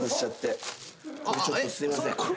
すいません。